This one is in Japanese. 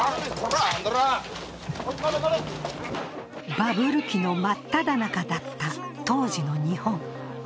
バブル期の真っただ中だった当時の日本。